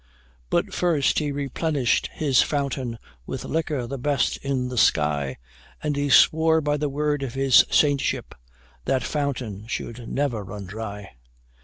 But first he replenished his fountain With liquor the best in the sky: And he swore by the word of his saintship That fountain should never run dry.